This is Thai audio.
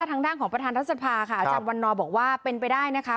ทางด้านของประธานรัฐสภาค่ะอาจารย์วันนอบอกว่าเป็นไปได้นะคะ